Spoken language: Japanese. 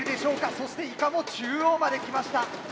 そしてイカも中央まで来ました。